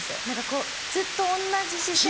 こうずっと同じ姿勢で。